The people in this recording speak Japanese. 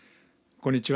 こんにちは。